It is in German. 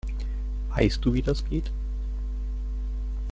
Weißt du, wie das geht?